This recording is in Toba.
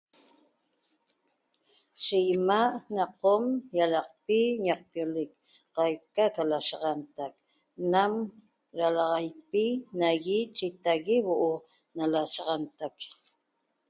ye ima a' na qom ñagaqpi ñacpiolec qaica da lashantec nam dalaxapi naie e' chetague huo o' na laxashantec